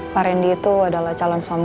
pak randy itu adalah calon suami